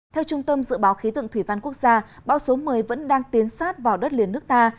theo trung tâm dự báo khí tượng thủy văn quốc gia bão số một mươi vẫn đang tiến sát vào đất liền nước ta